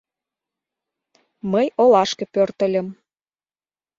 Мый олашке пӧртыльым.